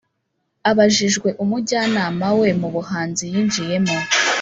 Abajijwe umujyanama we mu buhanzi yinjiyemo